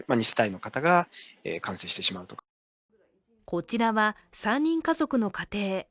こちらは３人家族の家庭。